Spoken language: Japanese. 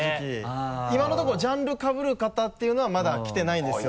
今のところジャンルかぶる方っていうのはまだ来てないんですよ。